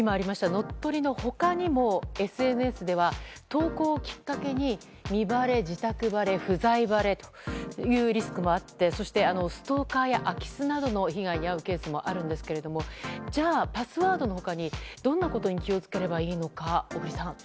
乗っ取りの他にもＳＮＳでは投稿をきっかけに身バレ、自宅バレ不在バレというリスクもあってそして、ストーカーや空き巣などの被害に遭うケースもあるんですけれどもじゃあ、パスワードの他にどんなことに気を付ければいいのか、小栗さん。